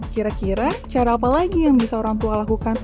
kira kira cara apa lagi yang bisa orang tua lakukan